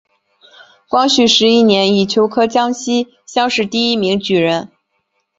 光绪十一年乙酉科江西乡试第一名举人。